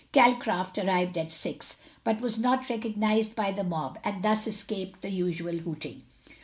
Calcraft arrived at six, but was not recognised by the mob, and thus escaped the usual hooting.